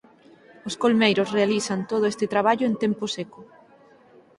Os colmeiros realizan todo este traballo en tempo seco.